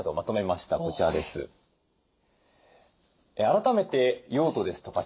改めて用途ですとか